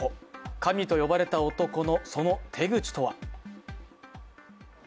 神と呼ばれた男のその手口とは。